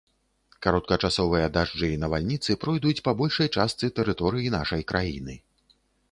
Кароткачасовыя дажджы і навальніцы пройдуць па большай частцы тэрыторыі нашай краіны.